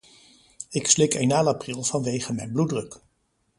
Ik slik enalapril vanwege mijn bloeddruk.